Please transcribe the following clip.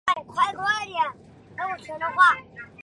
现时送回的结果是有关这新闻的报道。